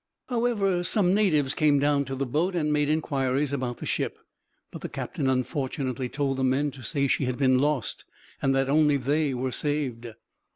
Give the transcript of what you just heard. However, some natives came down to the boat and made inquiries about the ship; but the captain unfortunately told the men to say she had been lost, and that only they were saved.